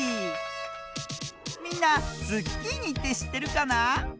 みんなズッキーニってしってるかな？